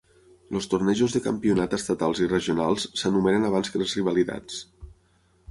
Els torneigs de campionat estatals i regionals s'enumeren abans que les rivalitats.